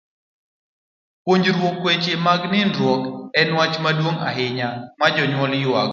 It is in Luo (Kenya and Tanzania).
Puonjruok weche nindruok en wach maduong' ahinya ma jonyuol jwang'o.